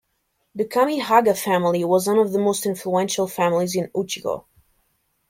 The Kamihaga family was one of the most influential families in Uchiko.